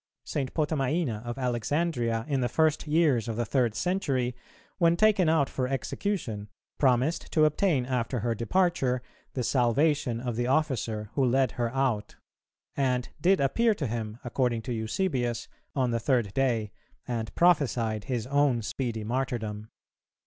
St. Potamiæna of Alexandria, in the first years of the third century, when taken out for execution, promised to obtain after her departure the salvation of the officer who led her out; and did appear to him, according to Eusebius, on the third day, and prophesied his own speedy martyrdom.